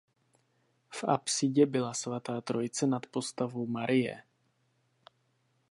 V apsidě byla Svatá trojice nad postavou Marie.